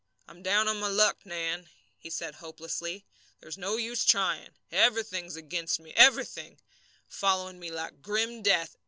"I'm down on my luck, Nan," he said, hopelessly. "There's no use trying. Everything's against me, everything following me like grim death.